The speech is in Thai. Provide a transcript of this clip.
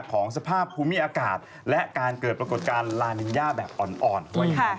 ของสภาพภูมิอากาศและการเกิดปรากฏการณ์ลานิญญาแบบอ่อน